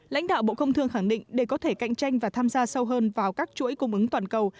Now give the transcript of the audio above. lãnh đạo bộ công thương khẳng định để có thể cạnh tranh và tham gia sâu hơn vào các chuỗi cung ứng toàn cầu